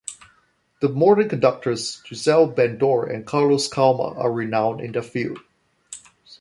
The modern conductors Gisele Ben-Dor and Carlos Kalmar are renowned in their field.